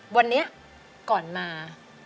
วันนี้ก่อนมา